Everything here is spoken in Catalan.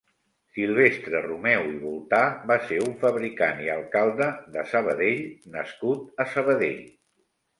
Silvestre Romeu i Voltà va ser un fabricant i alcalde de Sabadell nascut a Sabadell.